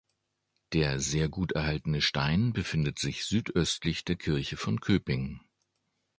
Der sehr gut erhaltene Stein befindet sich südöstlich der Kirche von Köping.